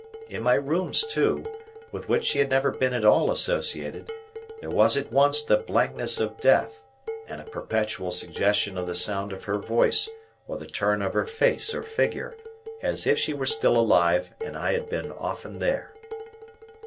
In my rooms too, with which she had never been at all associated, there was at once the blankness of death and a perpetual suggestion of the sound of her voice or the turn of her face or figure, as if she were still alive and had been often there.